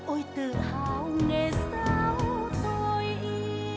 ôi tự hào người giáo tôi yêu